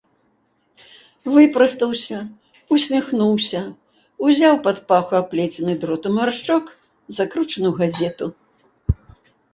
Выпрастаўся, усміхнуўся, узяў пад паху аплецены дротам гаршчок, закручаны ў газету.